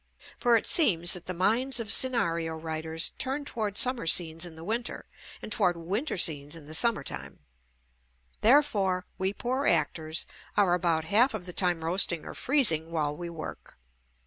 For it seems that the minds of scenario writers turn toward summer scenes in the winter and toward winter scenes in the JUST ME summer time; therefore, we poor actors are about half of the time roasting or freezing while we work.